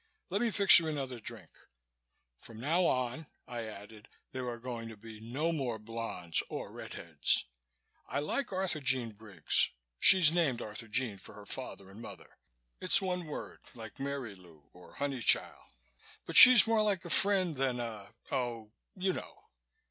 "Let me fix you another drink. From now on," I added, "there are going to be no more blondes or red heads. I like Arthurjean Briggs she's named Arthurjean for her father and mother. It's one word like Marylou or Honeychile but she's more like a friend than a oh you know.